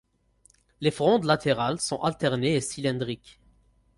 Les frondes latérales sont alternées et cylindrique.